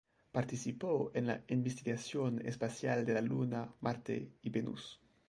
Participó en la investigación espacial de la Luna, Marte y Venus.